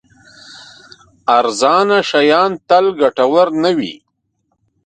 ارزانه شیان تل ګټور نه وي.